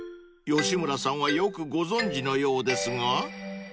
吉村さんはよくご存じのようですが］